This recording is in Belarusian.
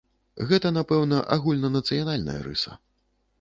Гэта, напэўна, агульнанацыянальная рыса.